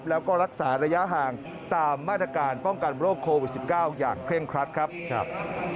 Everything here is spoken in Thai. แล้วก็รักษาระยะห่างตามมาตรการป้องกันโรคโควิด๑๙อย่างเคร่งครัดครับ